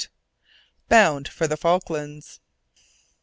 BOUND FOR THE FALKLANDS.